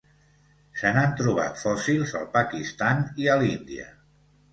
Se n'han trobat fòssils al Pakistan i a l'Índia.